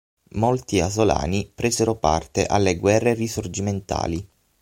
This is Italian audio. Molti asolani presero parte alle Guerre Risorgimentali.